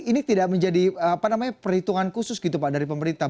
ini tidak menjadi perhitungan khusus gitu pak dari pemerintah